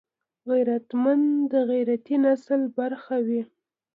غیرتمند د غیرتي نسل برخه وي